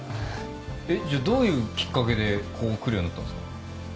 えっじゃあどういうきっかけでここ来るようになったんですか？